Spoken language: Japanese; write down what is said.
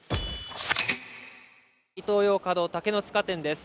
イトーヨーカドー竹の塚店です。